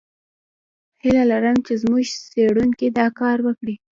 هیله لرم چې زموږ څېړونکي دا کار وکړي.